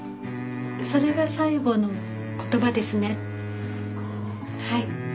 それが最後の言葉ですねはい。